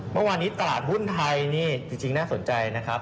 เมื่อวานนี้ตลาดหุ้นไทยนี่จริงน่าสนใจนะครับ